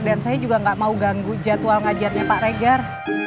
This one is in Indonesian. dan saya juga nggak mau ganggu jadwal ngajarnya pak regar